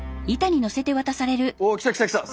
おお来た来た来た！